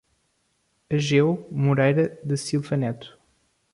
Ageu Moreira da Silva Neto